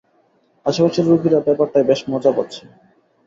আশেপাশের রুগীরা ব্যাপারটায় বেশ মজা পাচ্ছে।